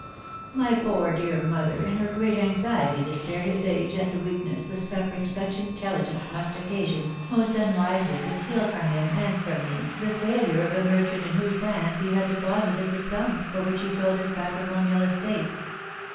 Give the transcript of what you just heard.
My poor dear mother, in her great anxiety to spare his age and weakness the suffering such intelligence must occasion, most unwisely con cealed from him and from me the failure of the merchant in whose hands he had deposited the sum for which he sold his patrimonial estate.